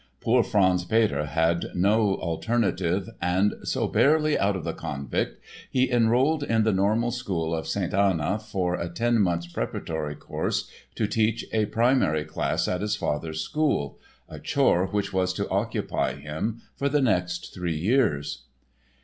Poor Franz Peter had no alternative and so, barely out of the Konvikt, he enrolled in the Normal School of St. Anna for a ten months' preparatory course to teach a primary class at his father's school, a chore which was to occupy him for the next three years.